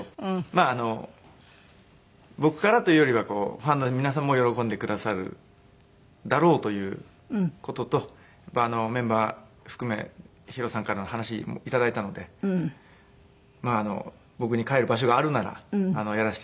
まあ僕からというよりはファンの皆さんも喜んでくださるだろうという事とメンバー含めＨＩＲＯさんから話も頂いたので僕に帰る場所があるならやらせて頂きたいという事で。